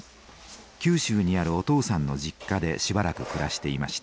九州にあるお父さんの実家でしばらく暮らしていました。